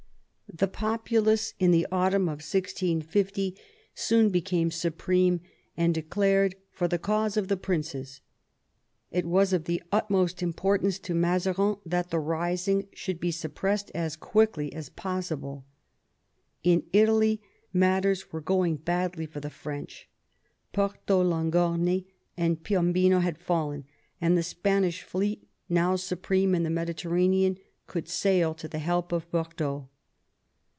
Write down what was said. The populace in the autumn of 1650 soon became supreme and declared "for the cause of the princes." It was of the utmost importance to Mazarin that the rising should be suppressed as quickly as possible. In Italy matters were going badly for the French. Porto Longone and Piombino had fallen, and the Spanish fleet, now supreme in the Mediterranean, could sail to the help of Bordeaux.